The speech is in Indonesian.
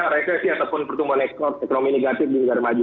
resesi ataupun pertumbuhan ekonomi negatif di negara maju